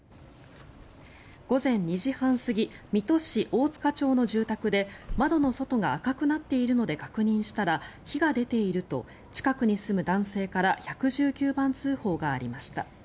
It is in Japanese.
午前２時半過ぎ水戸市大塚町の住宅で窓の外が赤くなっているので確認したら火が出ていると近くに住む男性から１１９番通報がありました。